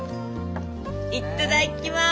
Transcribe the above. いっただっきます！